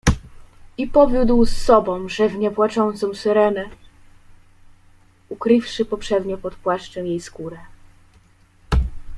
"I powiódł z sobą rzewnie płaczącą Syrenę, ukrywszy poprzednio pod płaszczem jej skórę."